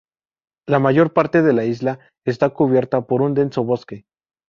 La mayor parte de la isla está cubierta por un denso bosque.